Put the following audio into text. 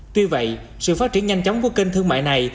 tuy vậy sự phát triển nhanh chóng của kênh thương mại này